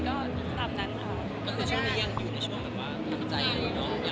ก็ตามนั้นค่ะ